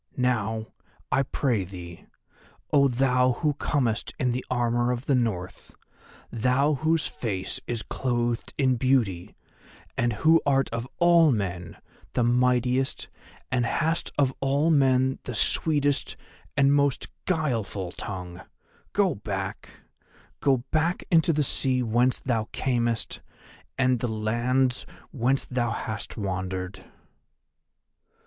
Now, I pray thee, oh thou who comest in the armour of the North, thou whose face is clothed in beauty, and who art of all men the mightiest and hast of all men the sweetest and most guileful tongue, go back, go back into the sea whence thou camest, and the lands whence thou hast wandered."